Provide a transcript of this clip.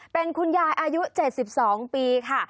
เป็นคุณยายอายุ๗๒ปีค่ะ